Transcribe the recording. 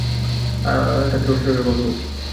তাদের অশ্বারোহীর অভাব নেই।